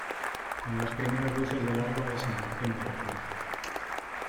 con las primeras luces del alba desembarqué en Veracruz .